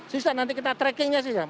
susah nanti kita trackingnya sih